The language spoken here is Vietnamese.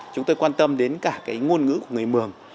chúng tôi quan tâm đến cả cái ngôn ngữ của người mường